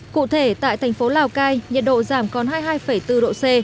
cụ thể tại thành phố lào cai nhiệt độ giảm còn hai mươi hai bốn độ c